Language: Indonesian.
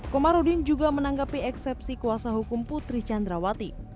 komarudin juga menanggapi eksepsi kuasa hukum putri candrawati